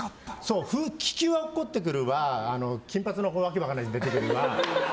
気球は落っこちてくるわ金髪の訳わかんないやつ出てくるわ。